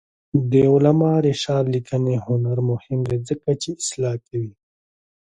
د علامه رشاد لیکنی هنر مهم دی ځکه چې اصلاح کوي.